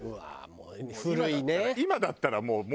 古いね。